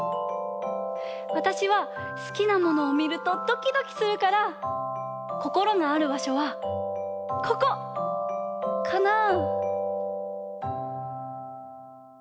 わたしは好きなものをみるとドキドキするからこころのあるばしょはここ！かなぁ？